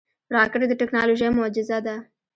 راکټ د ټکنالوژۍ معجزه ده